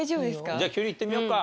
じゃあキュウリいってみようか。